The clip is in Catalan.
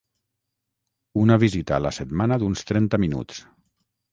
Una visita a la setmana d’uns trenta minuts.